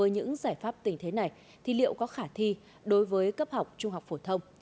những giải pháp tình thế này thì liệu có khả thi đối với cấp học trung học phổ thông